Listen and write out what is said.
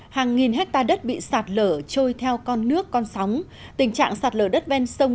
hàng nghìn hectare đất bị sạt lở trôi theo con nước con sóng tình trạng sạt lở đất ven sông